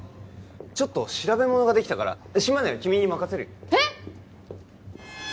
ちょっと調べものができたから島根は君に任せるよえっ！？